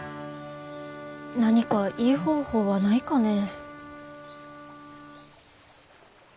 何かいい方法はないかね。